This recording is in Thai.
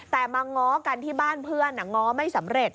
แต่มาง้อกันที่บ้านเพื่อนง้อไม่สำเร็จ